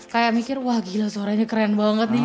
kayak mikir wah gila suaranya keren banget nih